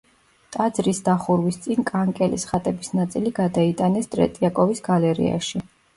ტაძრის დახურვის წინ კანკელის ხატების ნაწილი გადაიტანეს ტრეტიაკოვის გალერეაში.